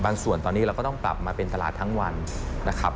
ส่วนตอนนี้เราก็ต้องปรับมาเป็นตลาดทั้งวันนะครับ